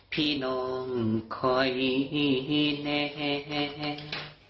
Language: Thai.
พี่น้องคอยใจพี่น้องคอยใจ